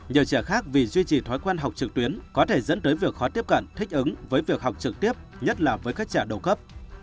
nhiều trẻ khác vì duy trì thói quen học trực tuyến có thể dẫn tới việc khó tiếp cận thích ứng với việc học trực tiếp nhất là với các trẻ đầu cấp